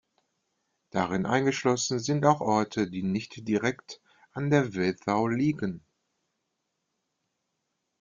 Darin eingeschlossen sind auch Orte, die nicht direkt an der Wethau liegen.